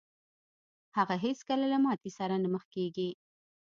هغه هېڅکله له ماتې سره نه مخ کېږي.